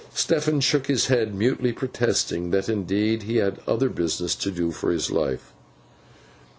Stephen shook his head, mutely protesting that indeed he had other business to do for his life.